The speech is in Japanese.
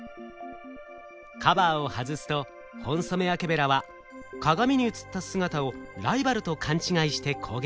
カバーを外すとホンソメワケベラは鏡に映った姿をライバルと勘違いして攻撃。